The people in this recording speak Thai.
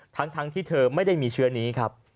ทั้งที่เธอไม่ได้มีเชื้อนี้ครับ